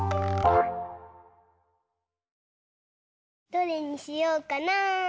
どれにしようかな。